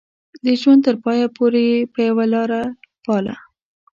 د ژوند تر پايه پورې يې يوه لاره پالله.